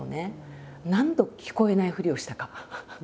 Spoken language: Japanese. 何度聞こえないふりをしたか。